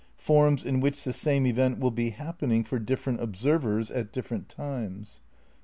Forms in which the same event will be happening for different observers at different times.